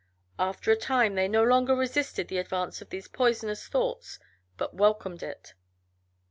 After a time they no longer resisted the advance of these poisonous thoughts, but welcomed it.